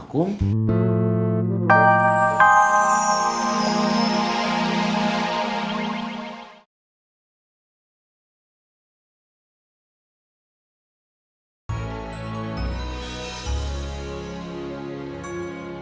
hai kamu tidak mencuci doy